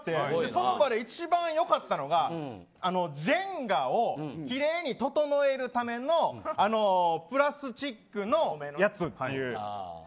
その場で一番よかったのがジェンガを奇麗に整えるためのプラスチックのやつっていう。